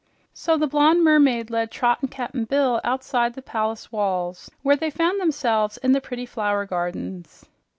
So the blonde mermaid led Trot and Cap'n Bill outside the palace walls, where they found themselves in the pretty flower gardens.